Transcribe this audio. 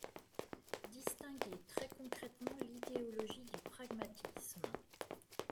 distinguer très concrètement l’idéologie du pragmatisme.